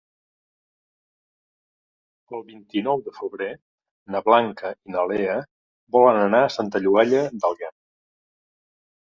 El vint-i-nou de febrer na Blanca i na Lea volen anar a Santa Llogaia d'Àlguema.